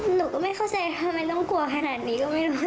หนูก็ไม่เข้าใจทำไมต้องกลัวขนาดนี้ก็ไม่รู้